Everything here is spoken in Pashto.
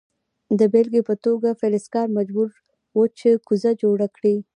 د بیلګې په توګه فلزکار مجبور و چې کوزه جوړه کړي.